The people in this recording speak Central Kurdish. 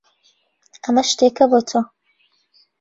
ئەمە شتێکە بۆ تۆ.